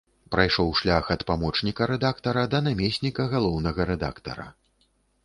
Прайшоў шлях ад памочніка рэдактара да намесніка галоўнага рэдактара.